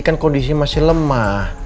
kan kondisinya masih lemah